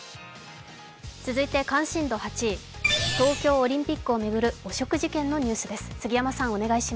続いて関心度８位、東京オリンピックを巡る汚職事件のニュースです。